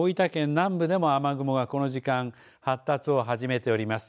南部でも雨雲がこの時間発達を始めております。